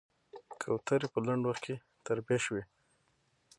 کوترې په لنډ وخت کې تربيه شوې.